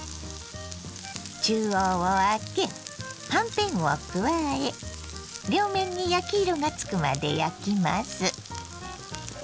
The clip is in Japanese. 中央をあけはんぺんを加え両面に焼き色がつくまで焼きます。